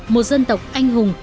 một dân tộc anh hùng